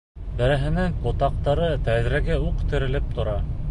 Береһенең ботаҡтары тәҙрәгә үк терәлеп тора.